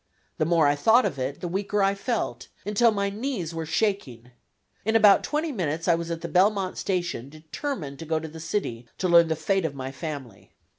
The more I thought of it, the weaker I felt, until my knees were shaking. In about twenty minutes I was at the Belmont Station determined to go to the city to learn the fate of my family.